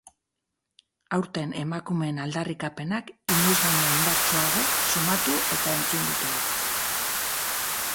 Aurten emakumeen aldarrikapenak inoiz baino indartsuago sumatu eta entzun ditugu.